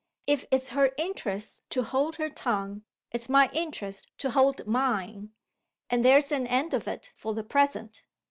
"If it's her interest to hold her tongue, it's my interest to hold mine, and there's an end of it for the present!"